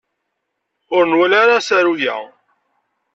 Ur nwala ara asaru-a.